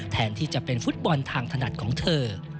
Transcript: แทนที่จะเป็นฟุตบอลทางถนัดของเธอ